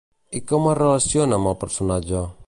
I com es relaciona amb el personatge?